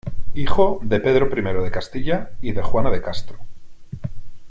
Hijo de Pedro I de Castilla y de Juana de Castro.